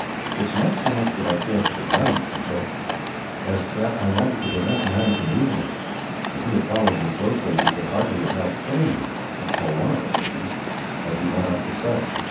"It was not so much that I cared for the gun," he said, "as that I wanted to prevent the man from using it. If he had followed me closely, he could hardly have helped hitting one of us, as we went up the steps.